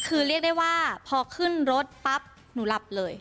คือเรียกได้ว่าพอขึ้นรถปั๊บหนูหลับเลย